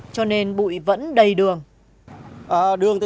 cho nên bụi vẫn đầy đường